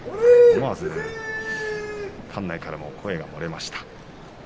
思わず館内からも声が漏れました。